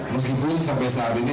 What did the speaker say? meskipun sampai saat ini